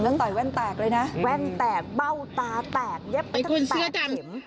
ต่อยแว่นแตกเลยนะแว่นแตกเบ้าตาแตกเย็บไปตั้ง๘เข็ม